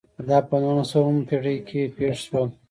دا په نولسمه پېړۍ کې پېښ شول.